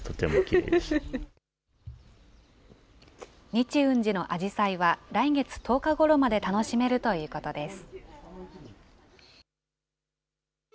日運寺のアジサイは、来月１０日ごろまで楽しめるということです。